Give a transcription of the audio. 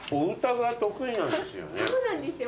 そうなんですよ。